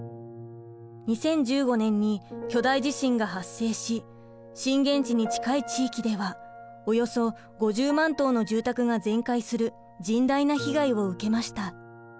２０１５年に巨大地震が発生し震源地に近い地域ではおよそ５０万棟の住宅が全壊する甚大な被害を受けました。